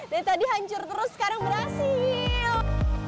dari tadi hancur terus sekarang berhasil